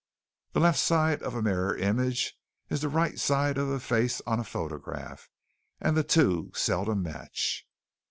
The left side of a mirror image is the right side of the face on a photograph and the two seldom match.